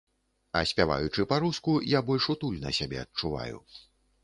А спяваючы па-руску, я больш утульна сябе адчуваю.